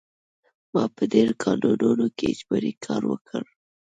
ما په ډېرو کانونو کې اجباري کار وکړ